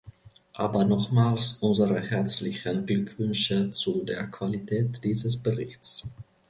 Aber nochmals, unsere herzlichen Glückwünsche zu der Qualität dieses Berichts.